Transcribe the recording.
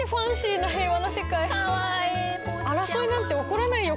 争いなんて起こらないよ